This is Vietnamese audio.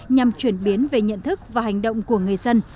nhằm chuyển biến về nhận thức và hành động của người dân